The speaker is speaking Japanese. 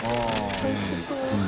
おいしそう。